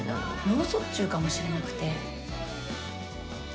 脳卒中かもしれなくて。